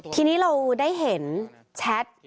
ทีนี้เราได้เห็นแชท